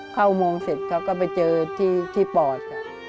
เข้ามุงขึ้นไปเจอที่ปอด